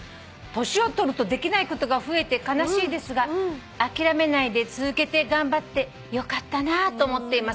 「年を取るとできないことが増えて悲しいですが諦めないで続けて頑張ってよかったなと思っています」